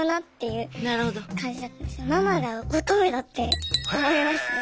「ママが乙女だ」って思いましたね。